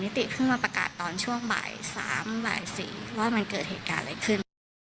ติเพิ่งมาประกาศตอนช่วงบ่าย๓บ่าย๔ว่ามันเกิดเหตุการณ์อะไรขึ้น